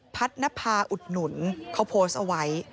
นภาอุดหนุนเขาโพสต์เอาไว้